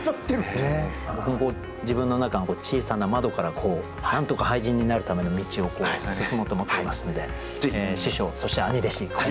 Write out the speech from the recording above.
僕も自分の中の小さな窓から何とか俳人になるための道を進もうと思っていますので師匠そして兄弟子